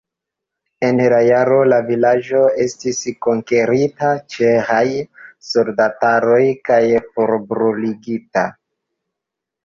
En la jaro la vilaĝo estis konkerita ĉeĥaj soldataroj kaj forbruligita.